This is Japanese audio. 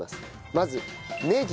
まずねぎ。